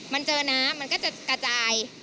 มันเจอน้ำมันก็จะกระจาย